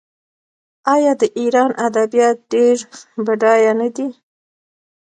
آیا د ایران ادبیات ډیر بډایه نه دي؟